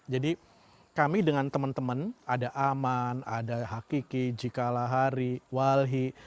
jadi kami dengan teman teman ada aman ada hakiki jikalahari walhi